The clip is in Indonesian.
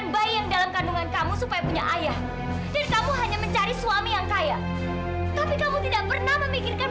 bapak juga tidak usah merasa khawatir ya pak ya